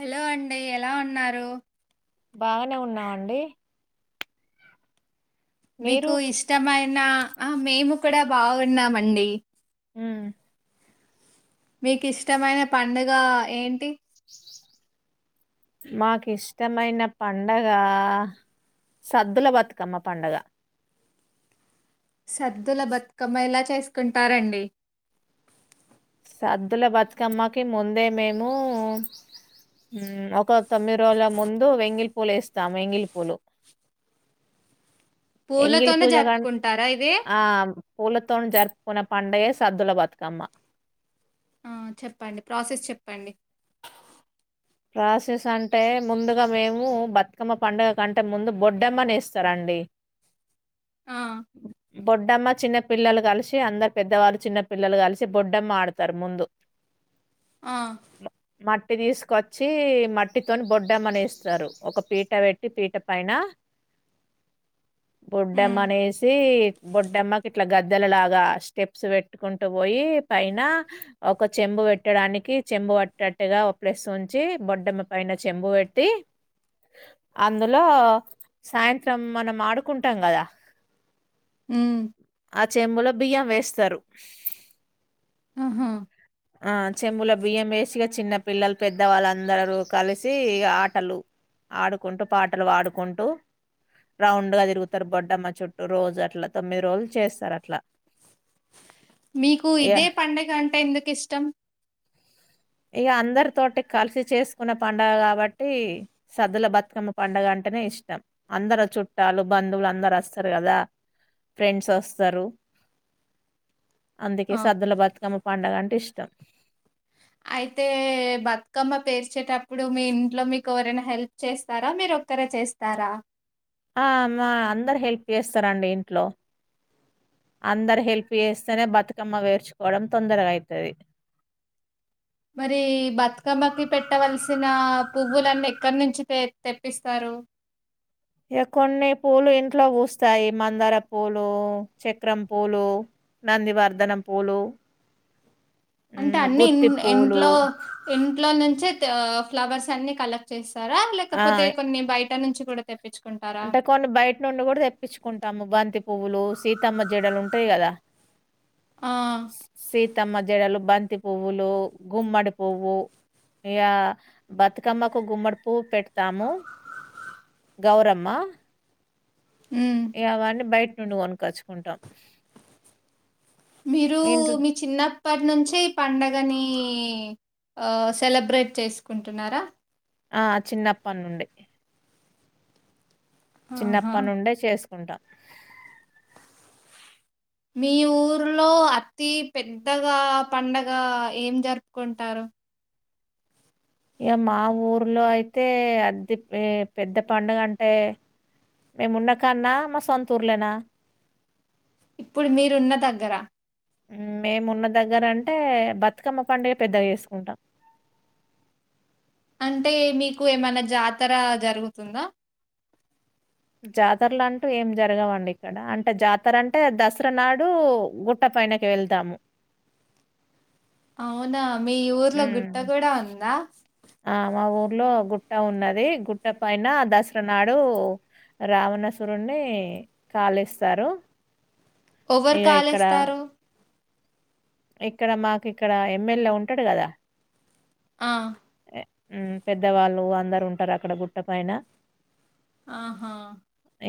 Hello అండి ఎలా ఉన్నారు బాగనే ఉన్నా అండి మీరు మీకు ఇష్టమైన ఆ మేము కూడా బాగున్నామండి ఉమ్ మీకిష్టమైన పండగ ఏంటి మాకిష్టమైన పండగ సద్దుల బతుకమ్మ పండగ సద్దుల బత్కమ్మ ఎలా చేసుకుంటారండి సద్దుల బత్కమ్మకి ముందే మేము ఉమ్ ఒక తొమ్మిది రోజుల ముందు వెంగిలి పూలేస్తాం వెంగిలి పూలు [inaudible] వెంగిలి పూలతోనే పూజగా జరుపుకుంటారా ఇది ఆమ్ పూలతోనీ జరుపుకునే పండయే సద్దుల బతుకమ్మ ఆ చెప్పండి ప్రాసెస్ చెప్పండి ప్రాసెస్ అంటే ముందుగా మేము బతుకమ్మ పండుగ కంటే ముందు బొడ్డమ్మనెస్తరండి [inaudible] [inaudible] బొడ్డమ్మ చిన్న పిల్లలు కలిసి అందరు పెద్దవాళ్ళు చిన్న పిల్లలు కలిసి బొడ్డమ్మ ఆడుతారు ముందు ఆ ఇంటికి తీసు కొచ్చి మట్టితోని బొడ్డమ్మనేస్తరు ఒక పీట వెట్టి పీట పైన [inaudible] ఉమ్, బొడ్డమ్మనేసి బొడ్డమ్మకిట్ల గ ద్దలలాగా స్టెప్స్ వెట్టుకుంటూ వోయి పైన ఒక చెంబు వెట్టడానికి చెం బు వట్టట్టుగా ఓ ప్లేస్ ఉంచి బొడ్డమ్మ పైన చెంబు వెట్టి అందులో సాయంత్రం మనం ఆడుకుంటాం గదా ఉమ్ చెంబులో బియ్యం వేస్తారు ఆహా. ఆ చెంబులో బియ్యం వేసి ఇగా చిన్న పిల్లలు పెద్ద వాళ్ళందరూ కలిసి ఇగ ఆటలు ఆడుకుంటూ పాటలు పాడుకుంటు రౌండ్ గా తిరుగుతరు బొడ్డమ్మ చుట్టూ రోజు అట్ల తొమ్మిది రోజులు చేస్తరట్ల మీకు ఇదే పండగంటే ఎందుకిష్టం ఇగ అందరి తోటి కలిసి చేసుకునే పండగ కాబట్టి సద్దుల బతుకమ్మ పండగ అన్ టేనే ఇష్టం అందరు చుట్టాలు బంధువులు అందరు అస్తరు గద ఫ్రెండ్స్ వస్తారు అందుకే ఆ, సద్దుల బతుకమ్మ పండగ అంటే ఇష్టం అయితే బతుకమ్మ పేర్చేటప్పుడు మీ ఇంట్లో మీకు ఎవరైనా హెల్ప్ చేస్తారా మీరు ఒక రే చేస్తారా ఆ మా అందరు హెల్ప్ చేస్తారండి ఇంట్లో అందరు హెల్ప్ చేస్తేనే బతుకమ్మ పేర్చుకోవడం తొందరగైతది మరి బతుకమ్మకి పెట్టవలసిన పువ్వులన్నీ ఎక్కడి నుంచి తె తెప్పిస్తారు ఇగ కొన్ని పూలు ఇంట్లో పూస్తాయి మందార పూలు చక్రం పూలు నంది వర్ధనం పూలు అంటే హ్మ్. అన్నీ ఇం గుత్తి పూలు ఇంట్లో ఇంట్లో నుం చే ఫ్లవర్స్ అన్ని కలెక్ట్ చేస్తారా ఆ! లేకపోతే కొన్ని బయట నుంచి కూడా తెప్పి అంటే కొన్ని బయట నుండి కూడా తెప్పించుకుంటాము బంతి పువ్వులు సీతమ్మ జడలు ఉంటాయి కదా ఆ సీతమ్మ జడలు బంతి పువ్వులు గుమ్మడి పువ్వు ఇగ బతుకమ్మకు గుమ్మడి పువ్వు పెడతాము గౌరమ్ మా ఉమ్ ఇగ అవన్నీ బయట నుండి కొనక్కచ్చుకుంటాం మీరు మీ చిన్న ప్పటినుంచే ఈ పండగనీ ఆ సెలబ్రేట్ చేసుకుంటున్నారా ఆ చిన్నప్పటి నుండి ఆహా చిన్నప్పడి నుండే చేసుకుంటా మీ ఊర్లో అతి పెద్దగా పండగ ఏం జరుపుకుంటారు ఇగ మా ఊర్లో అయితే అది పెద్ద పండుగంటే మేమున్న కాన్నా మా సొంతూర్లనా ఇప్పుడు మీరున్న దగ్గర మేమున్న దగ్గరంటే బతుకమ్మ పండుగే పెద్దగా చేస్కుంటాం. అంటే మీకు ఏమన్న జాతర జరుగుతుందా? జాతరలంటూ ఏం జరగవండి ఇక్కడ అంటే జాతరంటే దసర నాడు గుట్ట పైనకి వెళ్తాము. అవునా మీ ఊర్లో హ్మ్. గుట్ట కూడా ఉందా లో గుట్ట ఉన్నది. గుట్ట పైన దసర నాడు రావణసురున్నీ కాలిస్తారు. ఓవర్ కాలేస్తారు? ఇక్కడ మాకిక్కడ ఎమ్మెల్యే ఉంటడ్ కదా ఆ మ్ పెద్దవాళ్ళు అందరు ఉంటర్ అక్కడ గుట్ట పైన ఆహా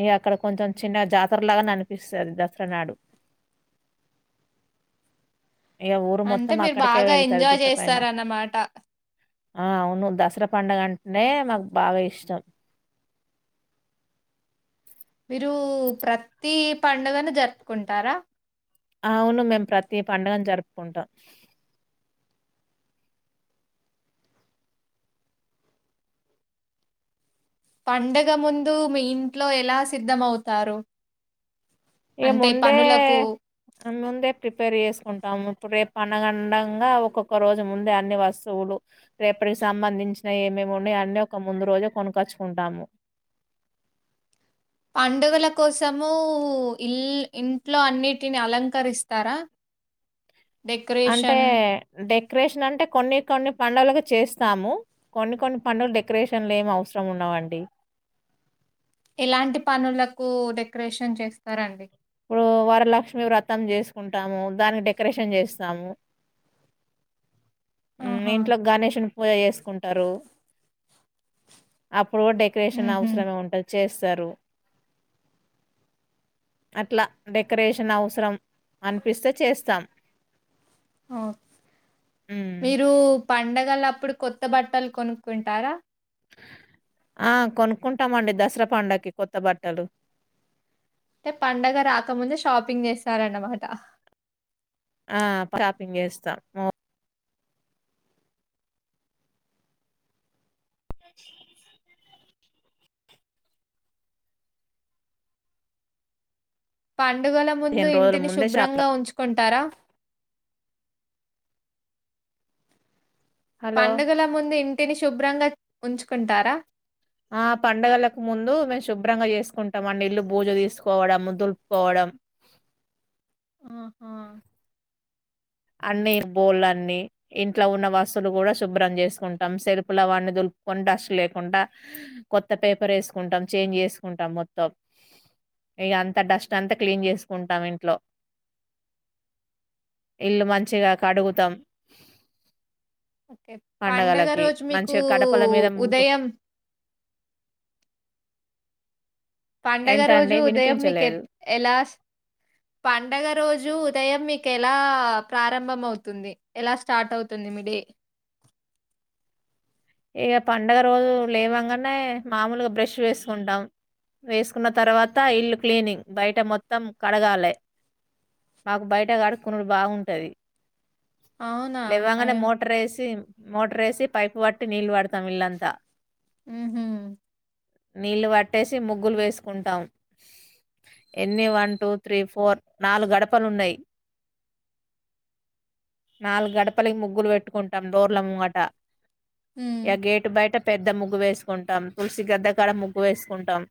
ఇగ అక్కడ కొంచెం చిన్నగ జాతరలాగా అనిపిస్తది దసర నాడు ఇగ ఊరు అంటే మొత్తం మీర్ అక్కడికే బాగా వెళ్తది ఎంజాయ్ గుట్ట పైన. చేస్తారన్నమాట. ఆ అవును దసరా పండగంటనే మాకు బాగా ఇష్టం. రు ప్రతి పండుగన్ జరుపుకుంటారా? ఆవును మేం ప్రతి పండుగను జరుప్కుంటాం. పండగ ముందు మీ ఇంట్లో ఎలా సిద్ధమౌతారు. ఇక ముందే ముందే ప్రిపేర్ చేస్కుంటాము. ఇప్పుడ్ రేప్ పండగ అండంగా ఒక్కొక్క రోజు ముందే అన్ని వస్తువులు రేపటికి సంబంధించినయి ఏమే మ్ ఉన్నయి అన్నీ ఒక ముందు రోజు కొనుకచ్చుకుంటాము. పండుగల కోసము ఇల్ ఇంట్లో అన్నిటిని అలంకరిస్తరా అంటే డెక్రేషన్ అంటే కొన్ని కొన్ని పండగలకు చేస్తాము. కొన్ని కొన్ని పండుగలు డెకరేషన్లేం అవసరం ఉండవండి. ఎలాంటి పనులకు డెకరేషన్ చేస్తారండి. ఇప్పుడూ వరలక్ష్మి వ్రతం చేస్కుంటాము దానికి డెకరేషన్ చేస్తాము. మ్ ఆహా! ఇంట్లో గణేశుని పూజ చేస్కుంటరు అప్ ప్పుడు కూడ డెకరేషన్ ఉహు అవసరమే ఉంటది చేస్తారు. అట్ల డెకరేషన్ అవసరం అనిపిస్తే చేస్తాం. ఓ హ్మ్. మీరూ పండగలప్ అప్పుడు కొత్త బట్టల్ కొనుక్కుంటారా? ఆ కొనుక్కుంటామండి దసరా పండగ్కి కొత్త బట్టలు అంటే పండగ రాకముందే షాపింగ్ చేస్తారన్నమాట. ఆ షాపింగ్ చేస్తాం. ంది పండుగల ముందు రోజుల ఇంటిని ముందే షాప్‌లో శుభ్రంగా ఉంచుకుంటారా? హలో. పండుగల ముందు ఇంటిని శుభ్రంగా ఉంచుకుంటారా ఆ పండుగలక్ ముందు మేం శుభ్రంగా చేస్కుంటమండి. ఇల్లు భూజ తీస్కోవడం దులుప్కోవడ డం ఆహా అన్నీ బోళ్ళన్నీ ఇంట్ల ఉన్న వస్తువులు గుడా శుభ్రం చేస్కుంటాం. సెల్పులవన్నీ దులు కొన్ డస్ట్ లేకుండా కొత్త పేపర్ ఏస్కుంటాం చేంజ్ చేస్కుంటాం మొత్తం. ఇక అంత డస్ట్ అంతా క్లీన్ చేసుకుంటాం ఇంట్లో ఇల్లు మంచిగా కడుగుతాం ఓకే పడుగ పండగలకి రోజు మీకు మంచిగా గడపల మీద ముగ్గు ఉదయం పండగ ఏంటండి రోజు ఉదయం మీకు ఎ వినిపించలేదు ఎలా పండగ రోజు ఉదయం మీకు ఎలా ప్రారంభం అవుతుంది ఎలా స్టార్ట్ అవుతుంది మీ డే ఇక పండగ రోజు లేవంగానే మామూలుగా బ్రష్ చేసుకుంటాం వేసుకున్న తర్వాత ఇల్లు క్లీనింగ్ బయట మొత్తం కడగాలే మాకు బయట ఆడుకునుడు బాగుంటది అవునా! లేవ్వంగానే అయ మోటర్ వేసి మోటర్ వేసి పైపు పట్టి నీళ్ళు వాడతాం ఇళ్లంతా మ్మ్ హ్మ్ నీళ్లు పట్టేసి ముగ్గులు వేసుకుంటాం ఎన్ని వన్ టూ త్రీ ఫోర్ నాలుగు గడపలున్నాయి నాలుగు గడపలకి ముగ్గులు పెట్టుకుంటాం దోర్ల ముంగట హ్మ్. యా గేట్ బయట పెద్ద ముగ్గు వేసుకుంటాం తులసి గద్దగాడ ముగ్గు వేసుకుంటాం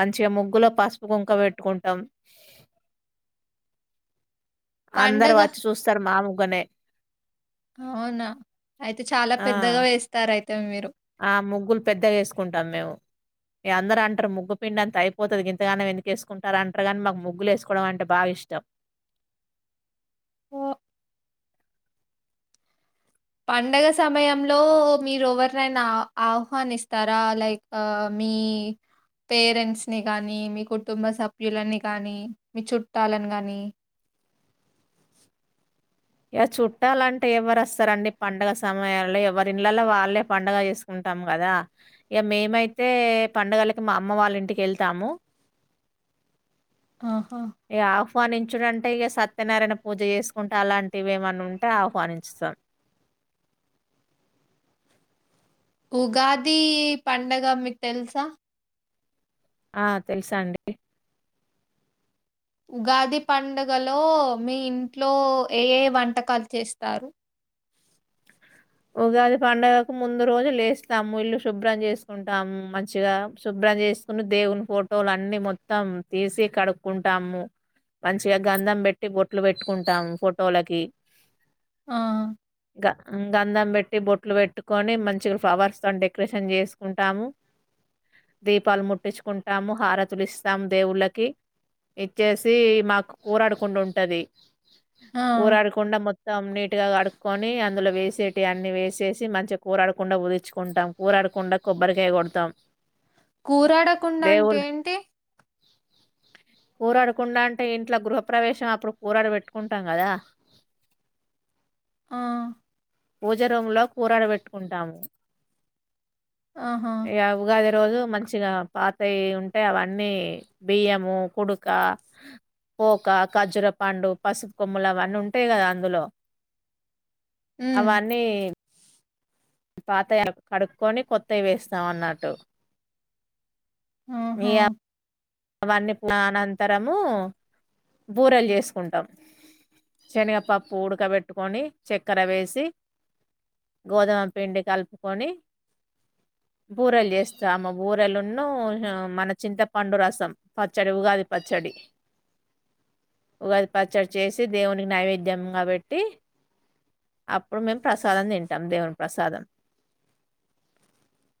మంచిగా ముగ్గులో పసుపు కుంక పెట్టుకుంటాం అందరు పండగ వచ్చి చూస్తారు మా ముగ్గనే అవునా అయితే చాలా ఆ పెద్దగా వేస్తారు అయితే మీరు ఆ ముగ్గులు పెద్ద వేసుకుంటాం మేము ఇగ అందరు అంటారు ముగ్గు పిండింత అయిపోతుంది ఇంతగానం ఎందుకేసుకుంటార అంటారుగానీ మా ముగ్గు వేసుకోవడం అంట భాగా ఇష్టం ఓ పండుగ సమయంలో మీరు ఎవరినైనా ఆహ్వానిస్తారా లైక్ మీ పేరెంట్స్ ని గానీ మీ కుటుంబ సభ్యులని గానీ మీ చుట్టాలని గానీ ఇగా చుట్టాలంటే ఎవరు వస్తారండి పండుగ సమయాల్లో ఎవరి ఇళ్లలో వాళ్ళే పండుగ చేసుకుంట టం కదా ఇగా మేమైతే పండుగలకి మా అమ్మ వాళ్ళ ఇంటికి వెళ్తాము ఆహా ఆహ్వానించుడు అంటే ఇగ సత్యనారాయణ పూజ చేసుకుంటే అలాంటి వి ఎమన్నా ఉంటే ఆహ్వానించూతం ఉగాది పండగ మీకు తెలుసా ఆ తెలుసా అండి ఉగాది పండుగలో మీ ఇంట్లో ఏ ఏ వంటకాలు చేస్తారు ఉగాది పండుగకు ముందు రోజులు లేస్తాము ఇల్లు శుభ్రం చేసుకుంటాము మంచిగా శుభ్రం పూజ చేసుకుని దేవుని ఫోటోలు అన్ని మొత్తం తీసి కడుక్కుంటాము మంచిగా గంధం పెట్టి బొట్లు పెట్టుకుంటాము ఫోటోలకి ఆ గా హ్మ్ గంధం పెట్టి బొట్లు పెట్టుకొని మంచిగా ఫ్లవర్స్ తో డెకరేషన్ చేసుకుంటాము దీపాలు ముట్టించుకుంటాము హారతులిస్తాము దేవుళ్ళకి ఇచ్చేసి మాకు కూరడకుండా ఉంటది ఆ! కూరడకుండా మొత్తం నీటి గా కడుక్కకోని అందులో వేసి వేసేటివి అన్ని వేసేసి మంచిగా కూరడకుండా పుదించుకుంటాం కూరడకుండా కొబ్బరికాయ కొడతాం కూరాడకుండా అంటే ఏంటి కూరడకుండా అంటే ఇంట్లో గృహప్రవేశం అప్పుడు కూరడు పెట్టుకుంటాం కదా ఆ పూజ రూంలో కూరడ పెట్టుకుంటాము ఆహా! ఇగా ఉగాది ఉగాది రోజు మంచిగా పాతయి ఉంటే అవన్నీ బియ్యము కుడుక పోక కఖ్జురపాండు పసుపు కొమ్మలు అవన్నీ ఉంటాయి కదా అందులో హ్మ్. అవన్నీ పాతాయి కడుక్కొని కొత్తయి వేస్తామన్నట్టు ఆహా! మీయా అవన్నీ అనంతరము బూరెలు చేసుకుంటాం శనగపప్పు ఉడకబెట్టుకొని చక్కెర వేసి గోధమ పిండి కలుపుకొని బూరెలు చేస్తాము బూరెలున్ను మన చింత పండు రసం సం పచ్చడి ఉగాది పచ్చడి ఉగాది పచ్చడి చేసి దేవునికి నైవేద్యంగా పెట్టి అప్పుడు మేం ప్రసాదం తింటాం దేవుని ప్రసాదం